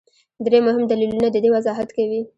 درې مهم دلیلونه د دې وضاحت کوي.